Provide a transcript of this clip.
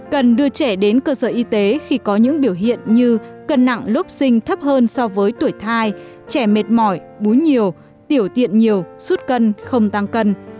cần đưa trẻ đến cơ sở y tế khi có những biểu hiện như cân nặng lúc sinh thấp hơn so với tuổi thai trẻ mệt mỏi bún nhiều tiểu tiện nhiều suốt cân không tăng cân